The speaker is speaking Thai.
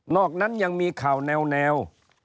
อกนั้นยังมีข่าวแนว